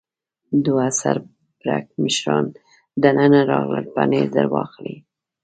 دوه سر پړکمشران دننه راغلل، پنیر در واخلئ.